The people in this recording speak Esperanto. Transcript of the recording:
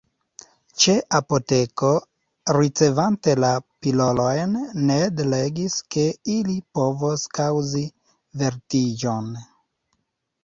Ĉe apoteko, ricevante la pilolojn, Ned legis ke ili povos kaŭzi vertiĝon.